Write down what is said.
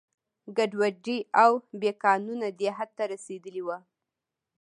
ګډوډي او بې قانونه دې حد ته رسېدلي وو.